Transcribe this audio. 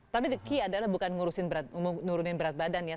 tapi key adalah bukan ngurusin berat badan ya